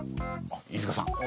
あっ飯塚さん！